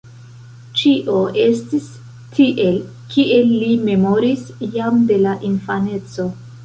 Ĉio estis tiel, kiel li memoris jam de la infaneco.